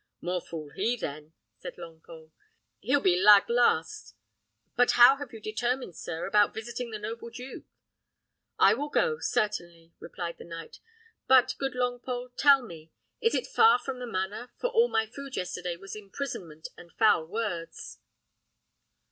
"More fool he then!" said Longpole; "he'll be lag last. But how have you determined, sir, about visiting the noble duke?" "I will go, certainly," replied the knight; "but, good Longpole, tell me, is it far from the manor, for all my food yesterday was imprisonment and foul words."